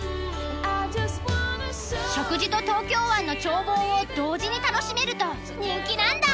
食事と東京湾の眺望を同時に楽しめると人気なんだ。